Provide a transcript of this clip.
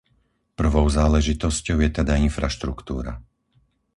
Prvou záležitosťou je teda infraštruktúra.